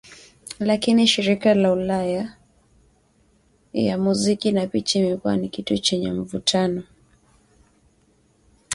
Lakini shirika la ulaya ya muziki na picha imekuwa ni kitu chenye mvutano